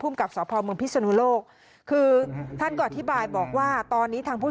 พุ่มกับสพพพิศโลกคือท่านก่ออธิบายบอกว่าตอนนี้ทางผู้